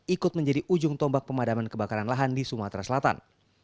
ikut menjadi ujung tombak pemadaman kebakaran lahan di sumatera selatan